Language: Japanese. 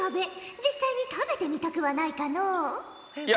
実際に食べてみたくはないかのう？